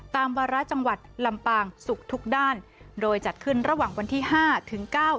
วาระจังหวัดลำปางศุกร์ทุกด้านโดยจัดขึ้นระหว่างวันที่ห้าถึงเก้า